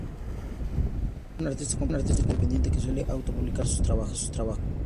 Hoffman es un artista completamente independiente, que suele auto publicar sus trabajos.